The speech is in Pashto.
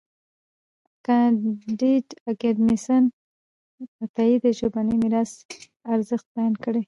کانديد اکاډميسن عطايي د ژبني میراث ارزښت بیان کړی دی.